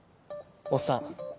おっさん。